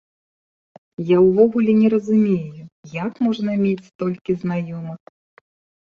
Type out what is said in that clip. Я ўвогуле не разумею, як можна мець столькі знаёмых!